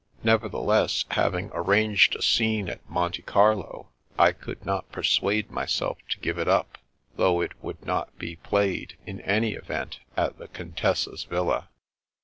Nevertheless, hav ing arranged a scene at Monte Carlo I could not per suade myself to give it up, though it would not be played, in any event, at the Contessa's villa.